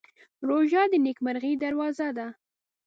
روژه د نېکمرغۍ دروازه ده.